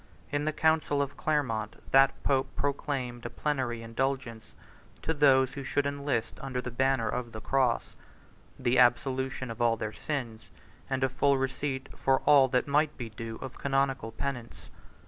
In the council of Clermont, that pope proclaimed a plenary indulgence to those who should enlist under the banner of the cross; the absolution of all their sins, and a full receipt for all that might be due of canonical penance.